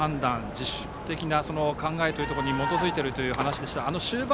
自主的な考えに基づいているという話でした。